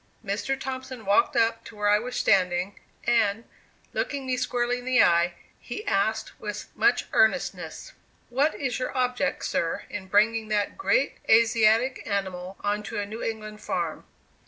Mr. Thompson walked up to where I was standing, and, looking me squarely in the eyes, he asked with much earnestness: "What is your object, sir, in bringing that great Asiatic animal on to a New England farm?"